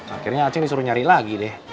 akhirnya aceh disuruh nyari lagi deh